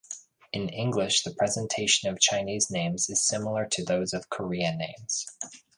In English the presentation of Chinese names is similar to those of Korean names.